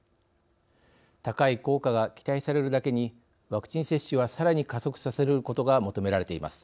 高い効果が期待されるだけにワクチン接種はさらに加速させることが求められています。